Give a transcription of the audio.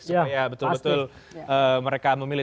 supaya betul betul mereka memilih